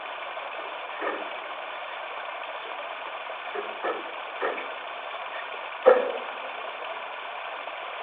amawanga mangi gaawa uganda obuyambi.